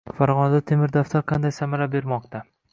Farg‘onada "temir daftar" qanday samara bermoqda?